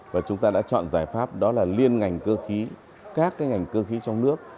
và chúng ta đã chọn giải pháp đó là liên ngành cơ khí các cái ngành cơ khí trong nước